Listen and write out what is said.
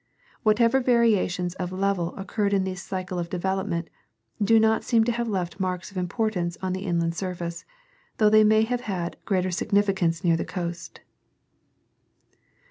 Whatever variations of level occurred in this cycle of development do not seem to have left marks of importance on the inland surface, though they may have had greater significance near the coast.